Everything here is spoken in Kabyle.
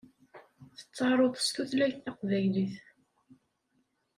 Tettaruḍ s tutlayt taqbaylit.